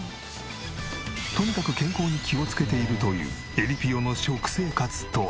とにかく健康に気をつけているというえりぴよの食生活とは？